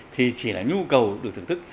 thì chỉ là nhu cầu được thưởng thức